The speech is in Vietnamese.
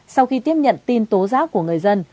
sau khi tiếp nhận tin tố giác của người dân